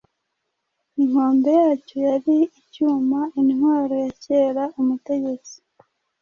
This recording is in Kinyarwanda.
Inkombe yacyo yari icyumaintwaro ya kera-umutegetsi